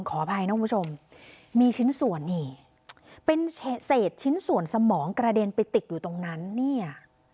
ขออภัยนะคุณผู้ชมมีชิ้นส่วนนี่เป็นเศษชิ้นส่วนสมองกระเด็นไปติดอยู่ตรงนั้นเนี่ย